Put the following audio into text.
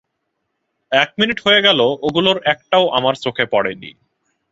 এক মিনিট হয়ে গেল ওগুলোর একটাও আমার চোখে পড়েনি।